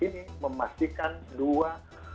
ini memastikan dua